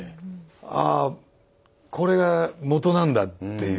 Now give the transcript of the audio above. ああこれがもとなんだっていう。